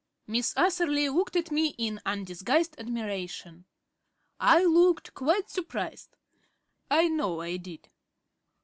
Miss Atherley looked at me in undisguised admiration. I looked quite surprised I know I did.